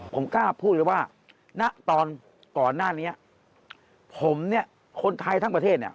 ผมกล้าพูดเลยว่าณตอนก่อนหน้านี้ผมเนี่ยคนไทยทั้งประเทศเนี่ย